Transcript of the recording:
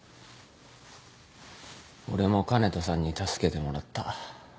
俺も香音人さんに助けてもらった。